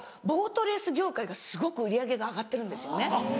ボートレース業界がすごく売り上げが上がってるんですよね。